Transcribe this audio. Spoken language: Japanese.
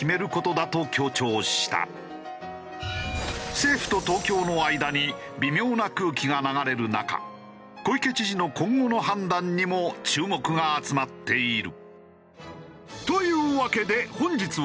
政府と東京の間に微妙な空気が流れる中小池知事の今後の判断にも注目が集まっている。